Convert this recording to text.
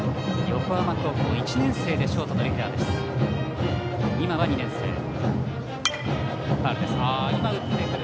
横浜高校、１年生でショートのレギュラーです、緒方。